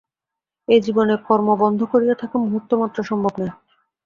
এ-জীবনে কর্ম বন্ধ করিয়া থাকা মুহূর্তমাত্র সম্ভব নয়।